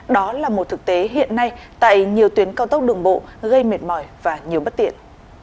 đó là một thực tế hiện nay tại nhiều tuyến cao tốc đường bộ gây mệt mỏi và nhiều bất tiện